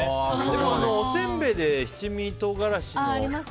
でも、おせんべいで七味唐辛子の。